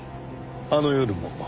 あの夜も？